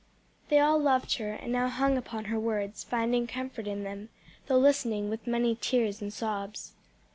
They all loved her, and now hung upon her words, finding comfort in them, though listening with many tears and sobs.